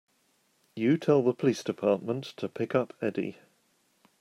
You tell the police department to pick up Eddie.